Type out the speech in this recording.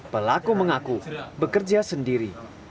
pelaku mengaku bekerja sendiri